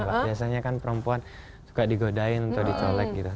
biasanya kan perempuan suka digodain atau dicolek gitu